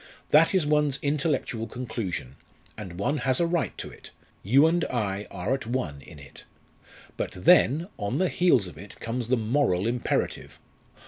That is one's intellectual conclusion; and one has a right to it you and I are at one in it. But then on the heels of it comes the moral imperative!